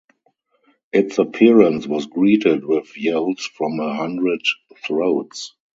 Its appearance was greeted with yells from a hundred throats.